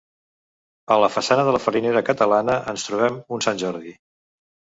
A la façana de la farinera catalana, ens trobem un Sant Jordi.